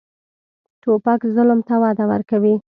توپک ظلم ته وده ورکوي.